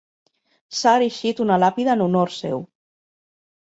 S'ha erigit una làpida en honor seu.